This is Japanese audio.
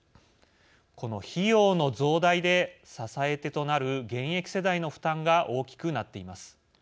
この費用の増大で支え手となる現役世代の負担が大きくなっています。